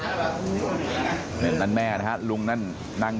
ลูกสาวหลายครั้งแล้วว่าไม่ได้คุยกับแจ๊บเลยลองฟังนะคะ